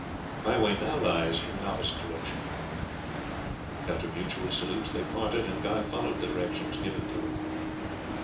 My way now lies in the opposite direction." After mutual salutes they parted, and Guy followed the directions given to them.